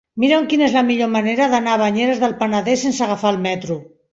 Mira'm quina és la millor manera d'anar a Banyeres del Penedès sense agafar el metro.